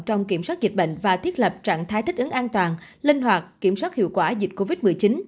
trong kiểm soát dịch bệnh và thiết lập trạng thái thích ứng an toàn linh hoạt kiểm soát hiệu quả dịch covid một mươi chín